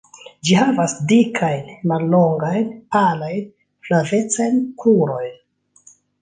Ĝi havas dikajn, mallongajn, palajn, flavecajn krurojn.